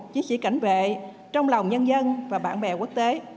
chiến sĩ cảnh vệ trong lòng nhân dân và bạn bè quốc tế